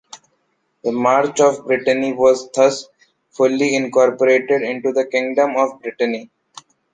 The March of Brittany was thus fully incorporated into the kingdom of Brittany.